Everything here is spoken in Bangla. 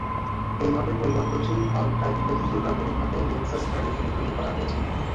এই ধরণের পরিবর্তনশীল ভালভ টাইমিং প্রযুক্তি প্রাথমিকভাবে লেক্সাস গাড়ির জন্য তৈরি করা হয়েছিল।